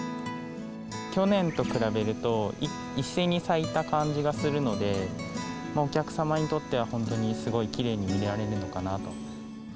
去年と比べると、一斉に咲いた感じがするので、お客様にとっては本当にすごいきれいに見られるのかなと。